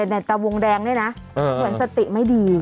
ในตะวงแดงนี่นะเหมือนสติไม่ดี